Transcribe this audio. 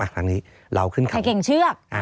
สางทางนี้เราขึ้นเข่าไข่เก่งเชือก